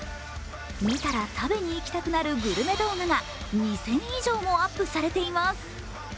見たら食べに行きたくなるグルメ動画が２０００以上もアップされています。